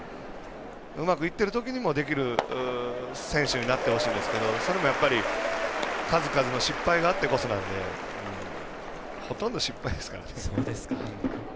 うまくいってるときにもできる選手になってほしいんですが数々の失敗があってこそなんでほとんど失敗ですからね。